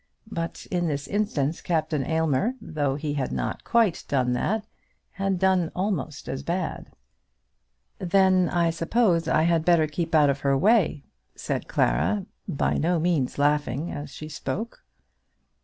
But in this instance Captain Aylmer, though he had not quite done that, had done almost as bad. "Then I suppose I had better keep out of her way," said Clara, by no means laughing as she spoke.